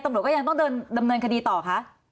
ตำรวจก็ยังต้องเดินดำเนินคดีต่อคะ